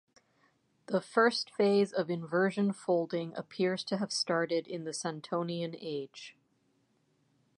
The first phase of inversion folding appears to have started in the Santonian age.